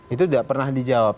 itu tidak pernah dijawab